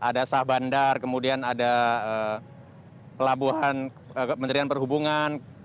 ada sah bandar kemudian ada pelabuhan kementerian perhubungan